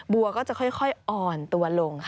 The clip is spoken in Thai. บัวก็จะค่อยอ่อนตัวลงค่ะ